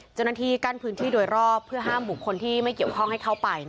เจ้าหน้าที่กั้นพื้นที่โดยรอบเพื่อห้ามบุคคลที่ไม่เกี่ยวข้องให้เข้าไป